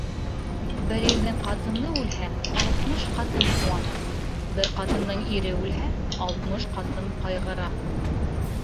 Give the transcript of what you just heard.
Бер ирҙең ҡатыны үлһә, алтмыш ҡатын ҡыуана, Бер ҡатындың ире үлһә, алтмыш ҡатын ҡайғыра.